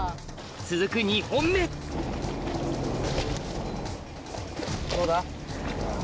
続く２本目どうだ？